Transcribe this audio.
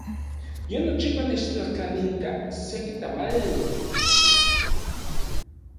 Ye nochipa nechtlajtlanilka seki tamali.